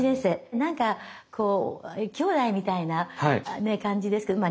何かきょうだいみたいな感じですけどまあ